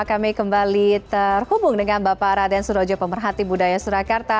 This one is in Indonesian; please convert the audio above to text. kami kembali terhubung dengan bapak raden surojo pemerhati budaya surakarta